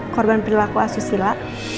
korban perilaku asusila